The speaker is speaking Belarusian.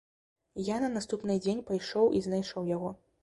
Я на наступны дзень пайшоў і знайшоў яго.